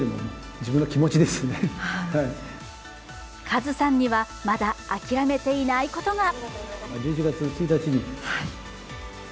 カズさんには、まだ諦めていないことが。